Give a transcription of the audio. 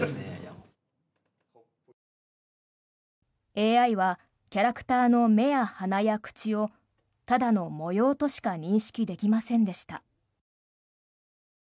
ＡＩはキャラクターの目や鼻や口をただの模様としか認識できませんでした。